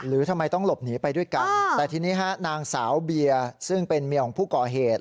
หรือทำไมต้องหลบหนีไปด้วยกันแต่ทีนี้ฮะนางสาวเบียร์ซึ่งเป็นเมียของผู้ก่อเหตุ